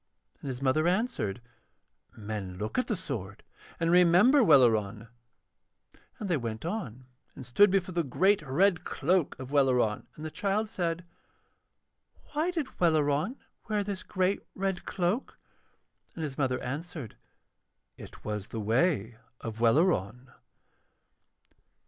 And his mother answered: 'Men look at the sword and remember Welleran.' And they went on and stood before the great red cloak of Welleran, and the child said: 'Why did Welleran wear this great red cloak?' And his mother answered: 'It was the way of Welleran.'